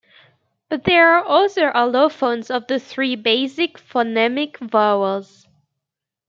But, there are other allophones of the three basic phonemic vowels.